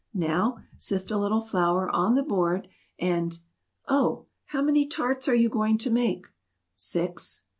"Now, sift a little flour on the board and oh, how many tarts are you going to make?" "Six."